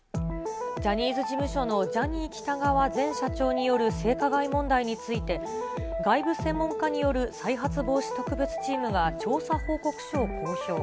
ジャニーズ事務所のジャニー喜多川前社長による性加害問題について、外部専門家による再発防止特別チームが調査報告書を公表。